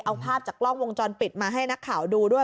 เอาภาพจากกล้องวงจรปิดมาให้นักข่าวดูด้วย